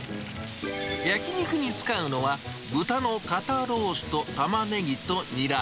焼き肉に使うのは、豚の肩ロースとたまねぎとにら。